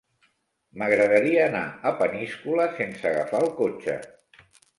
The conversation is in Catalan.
M'agradaria anar a Peníscola sense agafar el cotxe.